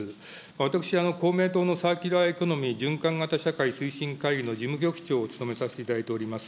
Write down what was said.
私、公明党のサーキュラーエコノミー循環型社会推進会議の事務局長を務めさせていただいております。